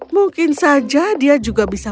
mungkin saja dia juga bisa